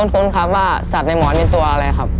คุ้นครับว่าสัตว์ในหมอนเป็นตัวอะไรครับ